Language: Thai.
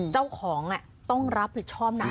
เจ้าของต้องรับผิดชอบนะ